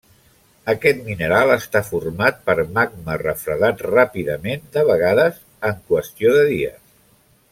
Aquest mineral està format per magma refredat ràpidament, de vegades en qüestió de dies.